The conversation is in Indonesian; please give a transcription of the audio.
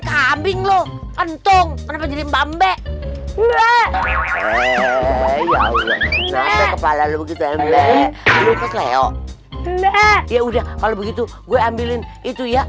kambing lu kentung kenapa jadi mbak mbak ya udah kalau begitu gue ambilin itu ya